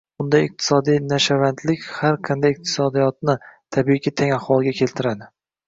Bunday «iqtisodiy nashavandlik» har qanday iqtisodiyotni, tabiiyki, tang ahvolga keltiradi.